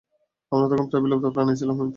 আমরা তখন প্রায় বিলুপ্ত প্রাণী ছিলাম, হুইপ।